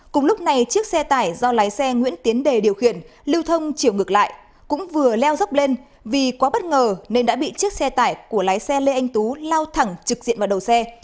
cùng lúc này chiếc xe tải do lái xe nguyễn tiến đề điều khiển lưu thông chiều ngược lại cũng vừa leo dốc lên vì quá bất ngờ nên đã bị chiếc xe tải của lái xe lê anh tú lao thẳng trực diện vào đầu xe